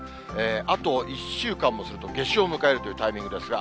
あと１週間もすると夏至を迎えるというタイミングですが。